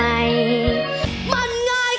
ทุกที่ทุกอย่าง